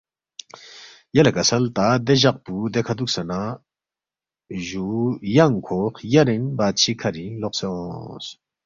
یلے کسل تا دے جق پو دیکھہ دُوکسے نہ جُو ینگ کھو خیارین بادشی کھرِنگ لوقسے اونگس